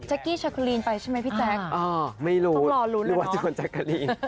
แชกคารินกับแจ๊คครีนคนละคน